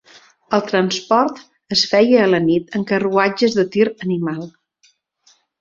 El transport es feia a la nit en carruatges de tir animal.